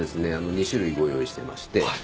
２種類ご用意してまして。